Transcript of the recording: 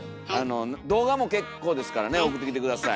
動画も結構ですからね送ってきて下さい。